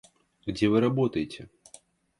Где вы работаете?